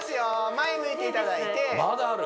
前向いていただいてまだある？